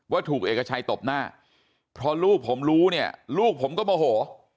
ว่าถูกเอกชัยตบหน้าพอลูกผมรู้เนี่ยลูกผมก็โมโห